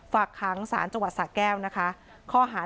ฝากค้างศาลจังหวัดสะแก้วนะคะ